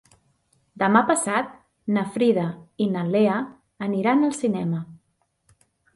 Demà passat na Frida i na Lea aniran al cinema.